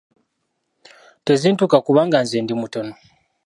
Tezintuuka kubanga nze ndi mutono.